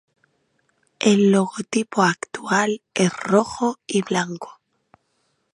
El logotipo actual es rojo y blanco.